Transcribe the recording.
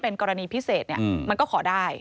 เป็นกรณีพิเศษมันก็ขอได้